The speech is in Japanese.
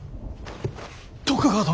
徳川殿！